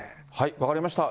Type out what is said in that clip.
分かりました。